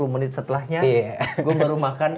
dua puluh menit setelahnya gue baru makan